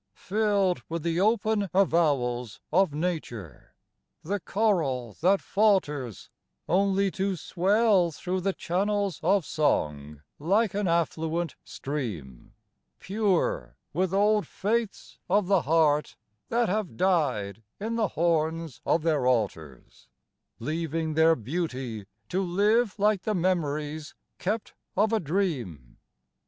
Filled with the open avowals of nature, the choral that falters Only to swell thro' the channels of song like an affluent stream, Pure with old faiths of the heart that have died in the horns of their altars, Leaving their beauty to live like the memories kept of a dream.